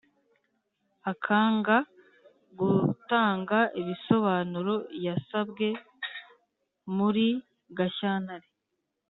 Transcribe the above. akanga gutanga ibisobanuro yasabwe muri gashyantare.”